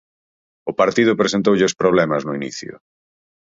O partido presentoulles problemas no inicio.